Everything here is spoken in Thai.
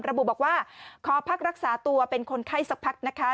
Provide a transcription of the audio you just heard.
ระบุบอกว่าขอพักรักษาตัวเป็นคนไข้สักพักนะคะ